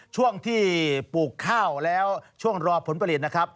ช่วงที่ปลูกข้าวแล้วช่วงรอผลผลิตนะครับ